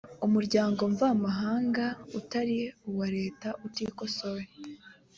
umuryango mvamahanga utari uwa leta utikosoye